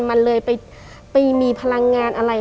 มันเลยไปมีพลังงานอะไร